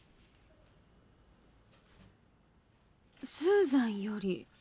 「スーザンより」